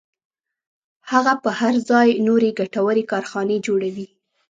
هغه پر ځای یې نورې ګټورې کارخانې جوړوي